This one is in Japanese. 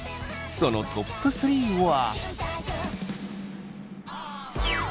そのトップ３は。